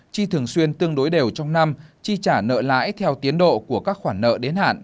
chi thường xuyên tương đối đều trong năm chi trả nợ lãi theo tiến độ của các khoản nợ đến hạn